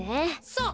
そう。